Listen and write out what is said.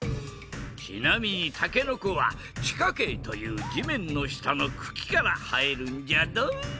ちなみにたけのこは地下茎というじめんのしたのくきからはえるんじゃドン！